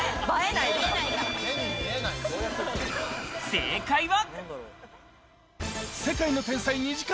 正解は。